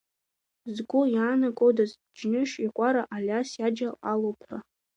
Згәы иаанагодаз Џьныш-икәара Алиас иаџьал алоуп ҳәа.